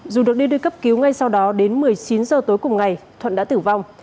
dù được đưa đi cấp cứu ngay sau đó đến một mươi chín h tối cùng ngày thuận đã tử vong